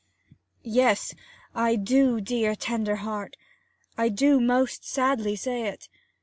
'Yes, I do, dear, tender heart! I do most sadly say it.